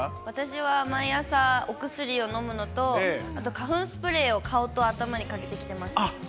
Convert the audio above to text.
私は毎朝、お薬を飲むのと、あと花粉スプレーを顔と頭にかけてきてます。